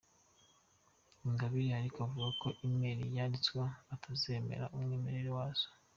Ingabire ariko avuga ko emails zanditswe atazemera umwimerere wazo.